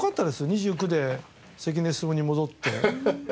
２９で「関根勤」に戻って。